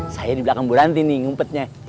saya di belakang bu ranti nih ngumpetnya